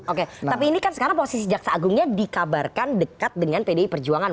oke tapi ini kan sekarang posisi jaksa agungnya dikabarkan dekat dengan pdi perjuangan